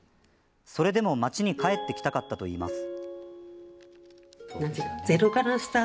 それでも町に帰って来たかったといいます。